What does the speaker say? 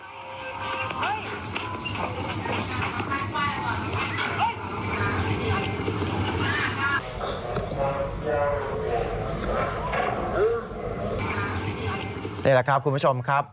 นี่แหละครับคุณผู้ชมครับ